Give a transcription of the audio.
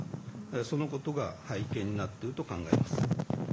そのことが背景になっていると考えます。